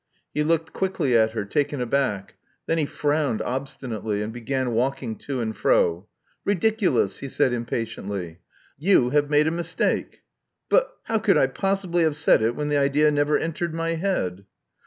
He looked quickly at her, taken aback. Then he frowned obstinately, and began walking to and fro. Ridiculous!" he said, impatiently. I never said such a thing. You have made a mistake. " But " "How could I possibly have said it when the idea never entered my head?"